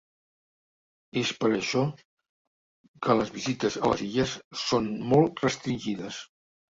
És per això que les visites a les illes són molt restringides.